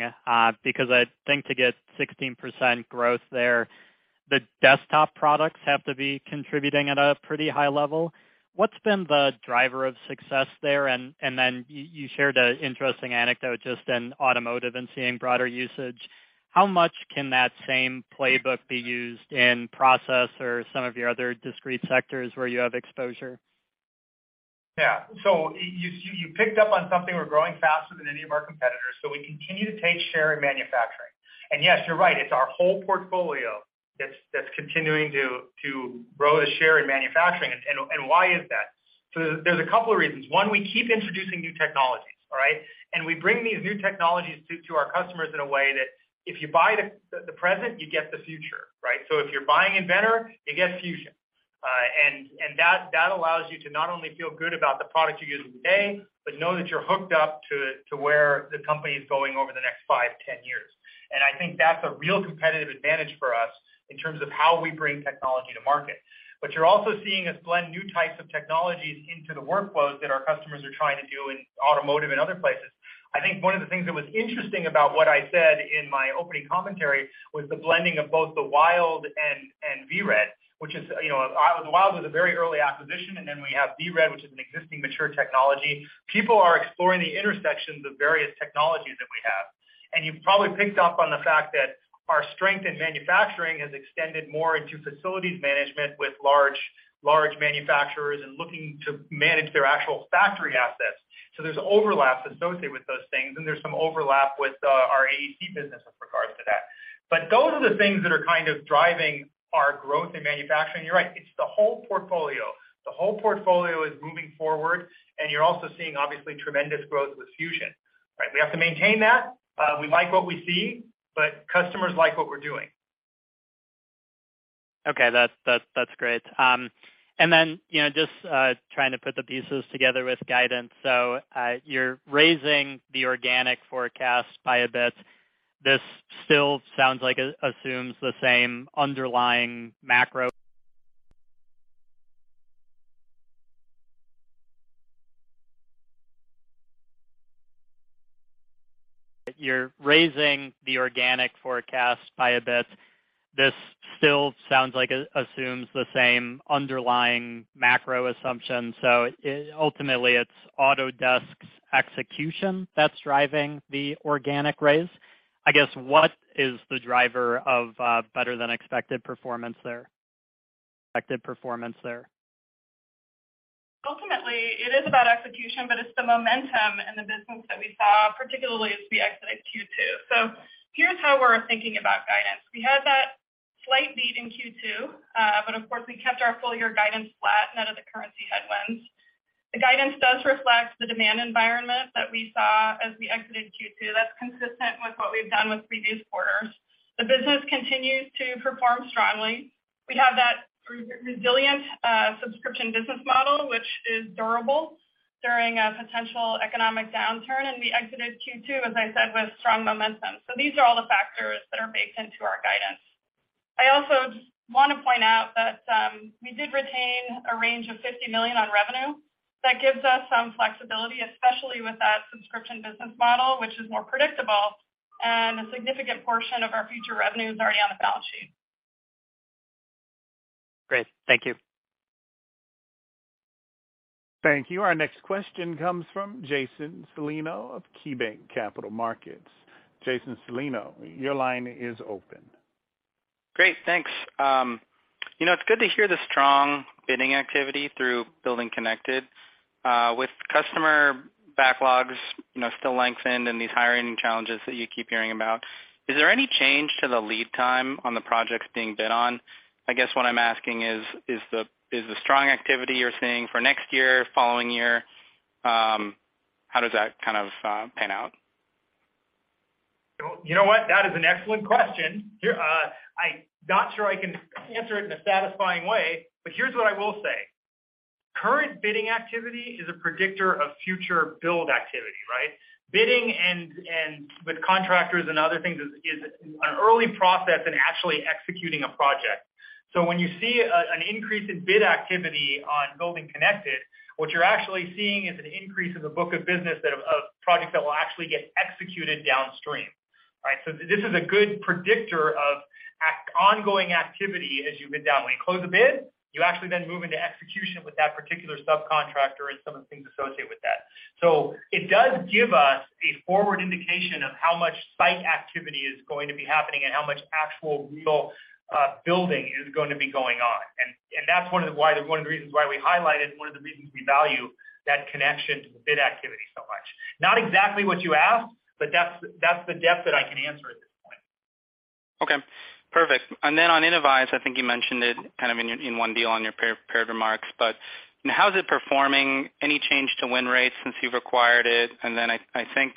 because I think to get 16% growth there, the desktop products have to be contributing at a pretty high level. What's been the driver of success there? And then you shared an interesting anecdote just in automotive and seeing broader usage. How much can that same playbook be used in process or some of your other discrete sectors where you have exposure? Yeah. You picked up on something. We're growing faster than any of our competitors, so we continue to take share in manufacturing. Yes, you're right. It's our whole portfolio that's continuing to grow the share in manufacturing. And why is that? There's a couple of reasons. One, we keep introducing new technologies, all right? We bring these new technologies to our customers in a way that if you buy the present, you get the future, right? If you're buying Inventor, you get Fusion. That allows you to not only feel good about the product you're using today, but know that you're hooked up to where the company is going over the next five to 10 years. And I think that's a real competitive advantage for us in terms of how we bring technology to market. You're also seeing us blend new types of technologies into the workflows that our customers are trying to do in automotive and other places. I think one of the things that was interesting about what I said in my opening commentary was the blending of both The Wild and VRED, which is, you know, The Wild was a very early acquisition, and then we have VRED, which is an existing mature technology. People are exploring the intersections of various technologies that we have. You've probably picked up on the fact that our strength in manufacturing has extended more into facilities management with large manufacturers and looking to manage their actual factory assets. So there's overlap associated with those things, and there's some overlap with our AEC business with regards to that. But those are the things that are kind of driving our growth in manufacturing. You're right, it's the whole portfolio. The whole portfolio is moving forward. You're also seeing obviously tremendous growth with Fusion, right? We have to maintain that. We like what we see, but customers like what we're doing. Okay. That's great. You know, just trying to put the pieces together with guidance. You're raising the organic forecast by a bit. This still sounds like it assumes the same underlying macro assumption. Ultimately, it's Autodesk's execution that's driving the organic raise. I guess, what is the driver of better-than-expected performance there? Ultimately, it is about execution, but it's the momentum in the business that we saw, particularly as we exited Q2. Here's how we're thinking about guidance. We had that slight beat in Q2, but of course, we kept our full-year guidance flat net of the currency headwinds. The guidance does reflect the demand environment that we saw as we exited Q2. That's consistent with what we've done with previous quarters. The business continues to perform strongly. We have that resilient subscription business model, which is durable during a potential economic downturn, and we exited Q2, as I said, with strong momentum. These are all the factors that are baked into our guidance. I also just wanna point out that, we did retain a range of $50 million on revenue. That gives us some flexibility, especially with that subscription business model, which is more predictable, and a significant portion of our future revenue is already on the balance sheet. Great. Thank you. Thank you. Our next question comes from Jason Celino of KeyBanc Capital Markets. Jason Celino, your line is open. Great. Thanks. You know, it's good to hear the strong bidding activity through BuildingConnected. With customer backlogs, you know, still lengthened and these hiring challenges that you keep hearing about, is there any change to the lead time on the projects being bid on? I guess what I'm asking is the strong activity you're seeing for next year, following year, how does that kind of pan out? You know what? That is an excellent question. I'm not sure I can answer it in a satisfying way, but here's what I will say. Current bidding activity is a predictor of future build activity, right? Bidding and with contractors and other things is an early process in actually executing a project. When you see an increase in bid activity on BuildingConnected, what you're actually seeing is an increase in the book of business that of projects that will actually get executed downstream, right? This is a good predictor of ongoing activity as you move down. When you close a bid, you actually then move into execution with that particular subcontractor and some of the things associated with that. It does give us a forward indication of how much site activity is going to be happening and how much actual real building is going to be going on. That's one of the reasons we value that connection to the bid activity so much. Not exactly what you asked, but that's the depth that I can answer at this point. Okay. Perfect. And then on Innovyze, I think you mentioned it kind of in your, in one deal on your pre-prepared remarks. You know, how is it performing? Any change to win rates since you've acquired it? I think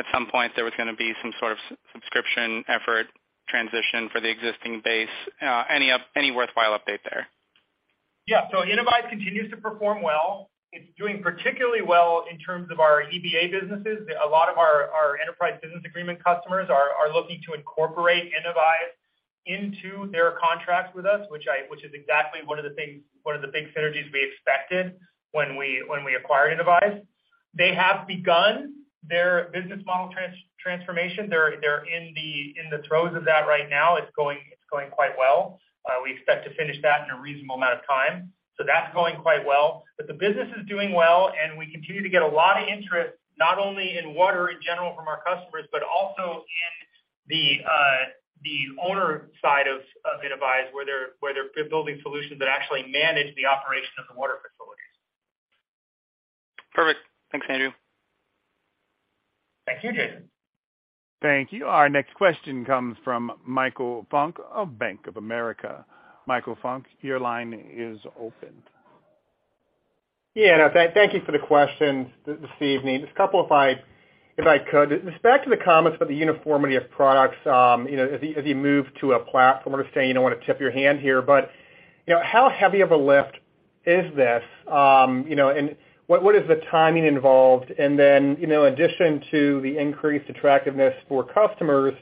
at some point there was gonna be some sort of subscription effort transition for the existing base. Any worthwhile update there? Yeah. Innovyze continues to perform well. It's doing particularly well in terms of our EBA businesses. A lot of our enterprise business agreement customers are looking to incorporate Innovyze into their contracts with us, which is exactly one of the big synergies we expected when we acquired Innovyze. They have begun their business model transformation. They're in the throes of that right now. It's going quite well. We expect to finish that in a reasonable amount of time. That's going quite well. The business is doing well, and we continue to get a lot of interest, not only in water in general from our customers, but also in the owner side of Innovyze, where they're building solutions that actually manage the operation of the water facilities. Perfect. Thanks, Andrew. Thank you, Jason. Thank you. Our next question comes from Michael Funk of Bank of America. Michael Funk, your line is open. Yeah. And thank you for the question this evening. Just a couple if I could. Just back to the comments about the uniformity of products, you know, as you move to a platform. Understand you don't wanna tip your hand here, but you know, how heavy of a lift is this? You know, what is the timing involved? You know, in addition to the increased attractiveness for customers,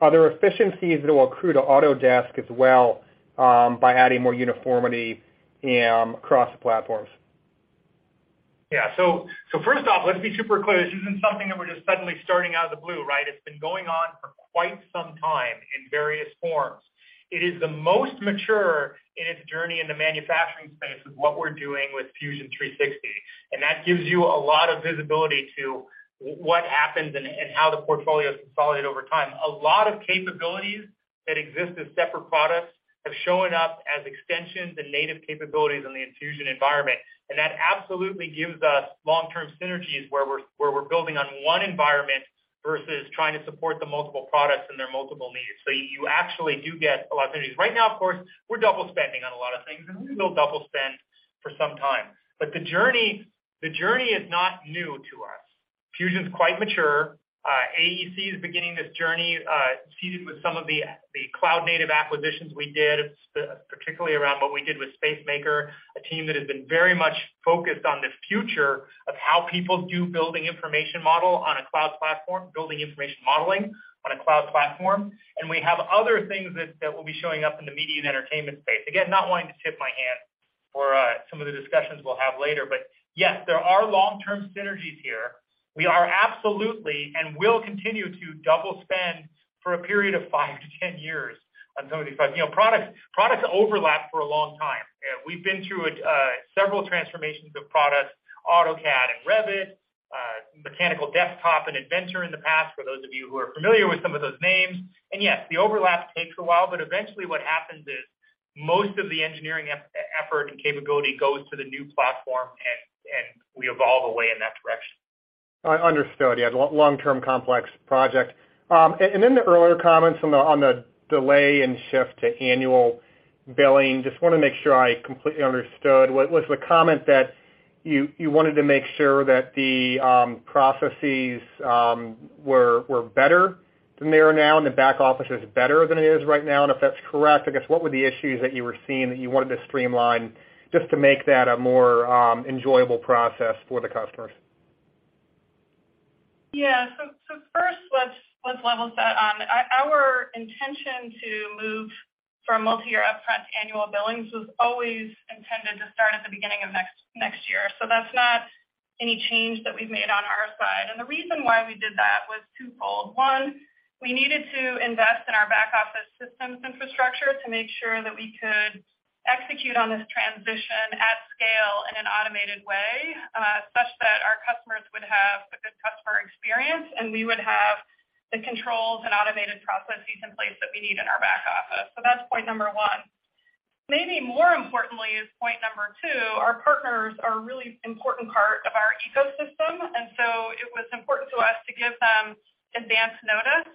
are there efficiencies that will accrue to Autodesk as well, by adding more uniformity across the platforms? Yeah. First off, let's be super clear. This isn't something that we're just suddenly starting out of the blue, right? It's been going on for quite some time in various forms. It is the most mature in its journey in the manufacturing space with what we're doing with Fusion 360. That gives you a lot of visibility to what happens and how the portfolio is consolidated over time. A lot of capabilities that exist as separate products have shown up as extensions and native capabilities in the Fusion environment. That absolutely gives us long-term synergies where we're building on one environment versus trying to support the multiple products and their multiple needs. You actually do get a lot of synergies. Right now, of course, we're double spending on a lot of things, and we will double spend for some time. The journey is not new to us. Fusion's quite mature. AEC is beginning this journey, seasoned with some of the cloud-native acquisitions we did, particularly around what we did with Spacemaker, a team that has been very much focused on the future of how people do building information modeling on a cloud platform. We have other things that will be showing up in the media and entertainment space. Again, not wanting to tip my hand for some of the discussions we'll have later. Yes, there are long-term synergies here. We are absolutely, and will continue to double spend for a period of five to 10 years on some of these products. You know, products overlap for a long time. We've been through several transformations of products, AutoCAD and Revit, Mechanical Desktop and Inventor in the past, for those of you who are familiar with some of those names. Yes, the overlap takes a while, but eventually what happens is, most of the engineering effort and capability goes to the new platform and we evolve away in that direction. Understood. Yeah, long-term complex project. In the earlier comments on the delay and shift to annual billing, just wanna make sure I completely understood. Was the comment that you wanted to make sure that the processes were better than they are now and the back office is better than it is right now? If that's correct, I guess, what were the issues that you were seeing that you wanted to streamline just to make that a more enjoyable process for the customers? First let's level set. Our intention to move from multi-year upfront to annual billings was always intended to start at the beginning of next year. That's not any change that we've made on our side. The reason why we did that was twofold. One, we needed to invest in our back office systems infrastructure to make sure that we could execute on this transition at scale in an automated way, such that our customers would have a good customer experience, and we would have the controls and automated processes in place that we need in our back office. That's point number one. Maybe more importantly is point number two, our partners are a really important part of our ecosystem, and so it was important to us to give them advanced notice,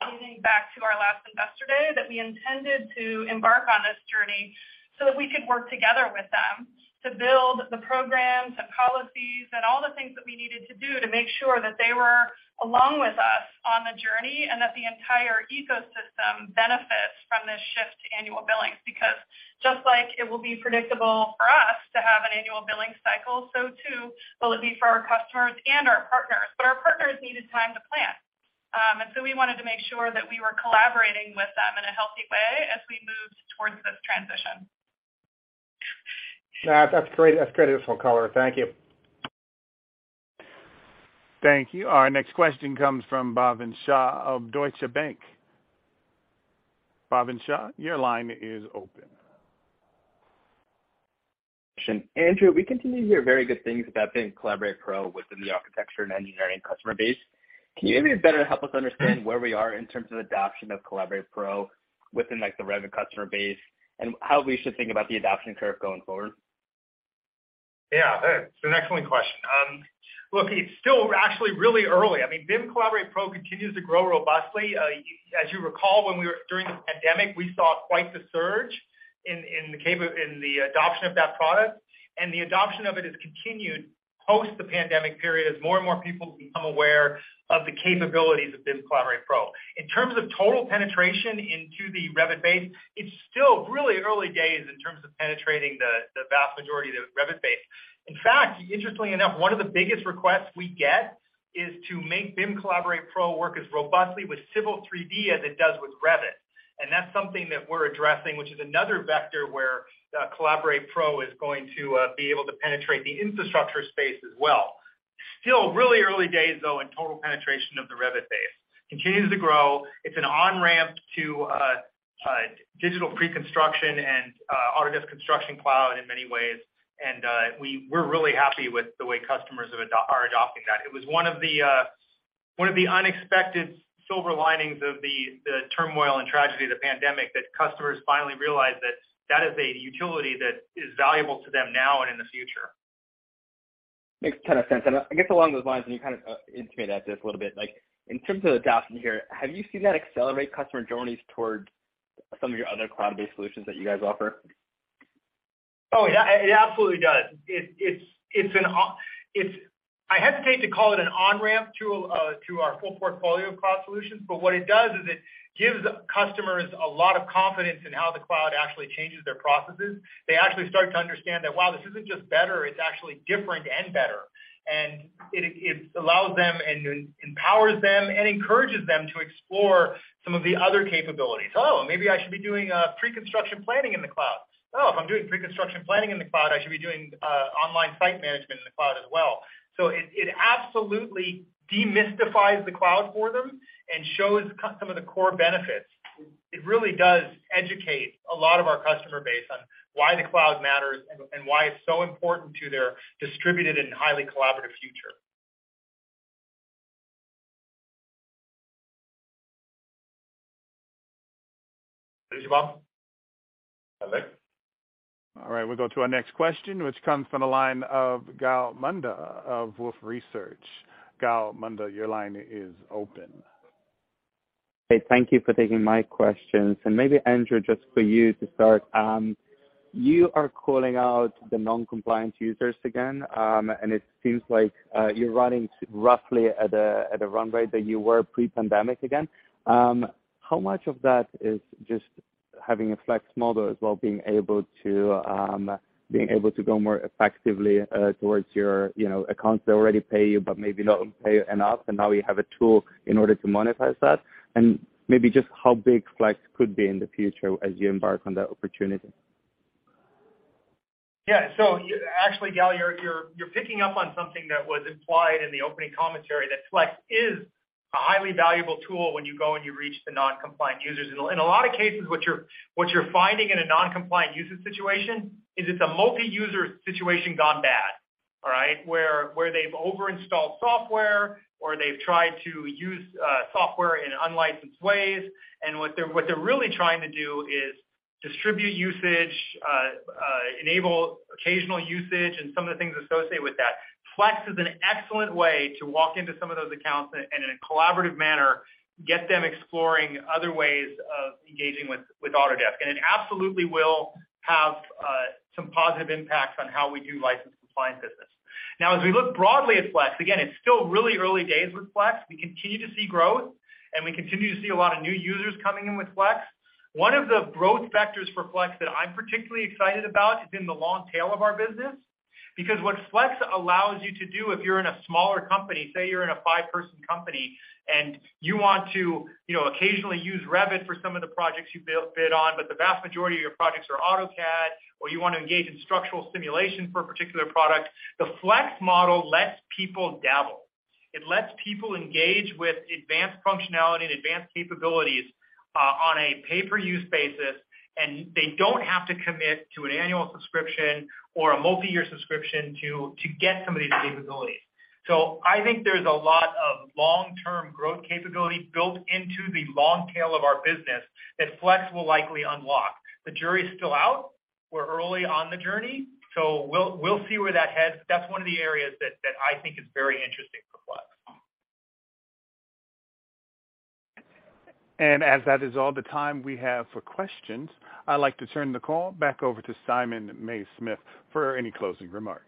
dating back to our last Investor Day, that we intended to embark on this journey so that we could work together with them to build the programs, the policies, and all the things that we needed to do to make sure that they were along with us on the journey, and that the entire ecosystem benefits from this shift to annual billings. Just like it will be predictable for us to have an annual billing cycle, so too will it be for our customers and our partners. Our partners needed time to plan. We wanted to make sure that we were collaborating with them in a healthy way as we moved towards this transition. No, that's great, that's great additional color. Thank you. Thank you. Our next question comes from Bhavin Shah of Deutsche Bank. Bhavin Shah, your line is open. Andrew, we continue to hear very good things about BIM Collaborate Pro within the architecture and engineering customer base. Can you maybe better help us understand where we are in terms of adoption of Collaborate Pro within, like, the Revit customer base, and how we should think about the adoption curve going forward? Yeah. It's an excellent question. Look, it's still actually really early. I mean, BIM Collaborate Pro continues to grow robustly. As you recall, during the pandemic, we saw quite the surge in the adoption of that product, and the adoption of it has continued post the pandemic period as more and more people become aware of the capabilities of BIM Collaborate Pro. In terms of total penetration into the Revit base, it's still really early days in terms of penetrating the vast majority of the Revit base. In fact, interestingly enough, one of the biggest requests we get is to make BIM Collaborate Pro work as robustly with Civil 3D as it does with Revit. And that's something that we're addressing, which is another vector where Collaborate Pro is going to be able to penetrate the infrastructure space as well. Still really early days, though, in total penetration of the Revit base. Continues to grow. It's an on-ramp to digital preconstruction and Autodesk Construction Cloud in many ways. We're really happy with the way customers are adopting that. It was one of the unexpected silver linings of the turmoil and tragedy of the pandemic, that customers finally realized that that is a utility that is valuable to them now and in the future. Makes a ton of sense. I guess along those lines, you kind of intimated at this a little bit, like in terms of adoption here, have you seen that accelerate customer journeys towards some of your other cloud-based solutions that you guys offer? Oh, yeah, it absolutely does. It's an on-ramp to our full portfolio of cloud solutions, but what it does is it gives customers a lot of confidence in how the cloud actually changes their processes. They actually start to understand that, wow, this isn't just better, it's actually different and better. It allows them and empowers them and encourages them to explore some of the other capabilities. Oh, maybe I should be doing preconstruction planning in the cloud. Oh, if I'm doing preconstruction planning in the cloud, I should be doing online site management in the cloud as well. It absolutely demystifies the cloud for them and shows some of the core benefits. It really does educate a lot of our customer base on why the cloud matters and why it's so important to their distributed and highly collaborative future. Thank you, Bhavin. [Alex? All right, we'll go to our next question, which comes from the line of Gal Munda of Wolfe Research. Gal Munda, your line is open. Hey, thank you for taking my questions. Maybe, Andrew, just for you to start. You are calling out the non-compliant users again, and it seems like you're running roughly at a run rate that you were pre-pandemic again. How much of that is just having a Flex model as well, being able to go more effectively towards your, you know, accounts that already pay you but maybe not pay enough, and now you have a tool in order to monetize that? Maybe just how big Flex could be in the future as you embark on that opportunity. Yeah. Actually, Gal, you're picking up on something that was implied in the opening commentary that Flex is a highly valuable tool when you go and you reach the non-compliant users. In a lot of cases, what you're finding in a non-compliant user situation is it's a multi-user situation gone bad, all right. Where they've over-installed software or they've tried to use software in unlicensed ways. What they're really trying to do is distribute usage, enable occasional usage and some of the things associated with that. Flex is an excellent way to walk into some of those accounts and in a collaborative manner, get them exploring other ways of engaging with Autodesk. It absolutely will have some positive impacts on how we do license compliance business. Now, as we look broadly at Flex, again, it's still really early days with Flex. We continue to see growth, and we continue to see a lot of new users coming in with Flex. One of the growth vectors for Flex that I'm particularly excited about is in the long tail of our business. Because what Flex allows you to do if you're in a smaller company, say you're in a five-person company and you want to, you know, occasionally use Revit for some of the projects you build or bid on, but the vast majority of your projects are AutoCAD, or you wanna engage in structural simulation for a particular product, the Flex model lets people dabble. It lets people engage with advanced functionality and advanced capabilities on a pay-per-use basis, and they don't have to commit to an annual subscription or a multi-year subscription to get some of these capabilities. I think there's a lot of long-term growth capability built into the long tail of our business that Flex will likely unlock. The jury is still out. We're early on the journey, so we'll see where that heads. That's one of the areas that I think is very interesting for Flex. As that is all the time we have for questions, I'd like to turn the call back over to Simon Mays-Smith for any closing remarks.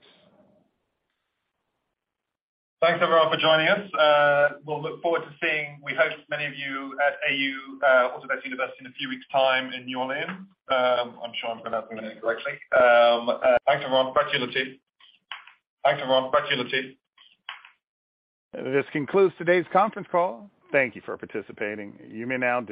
Thanks, everyone, for joining us. We'll look forward to seeing, we hope, many of you at AU, Autodesk University in a few weeks' time in New Orleans. I'm sure I'm pronouncing that correctly. Thanks, everyone. Back to you, Latif. This concludes today's conference call. Thank you for participating. You may now disconnect.